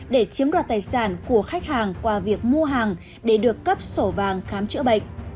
để chiếm đoạt tài sản của khách hàng qua việc mua hàng để được cấp sổ vàng khám chữa bệnh